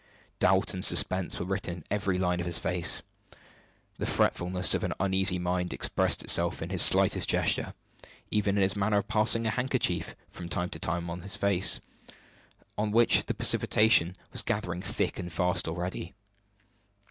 Doubt and suspense were written in every line of his face; the fretfulness of an uneasy mind expressed itself in his slightest gesture even in his manner of passing a handkerchief from time to time over his face, on which the perspiration was gathering thick and fast already.